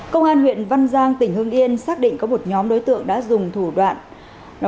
công an huyện văn giang tỉnh hương yên xác định có một nhóm đối tượng đã dùng thủ đoạn